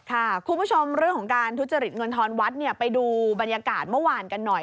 คุณผู้ชมเรื่องของการทุจริตเงินทอนวัดเนี่ยไปดูบรรยากาศเมื่อวานกันหน่อย